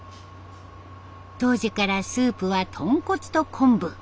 当時からスープは豚骨と昆布。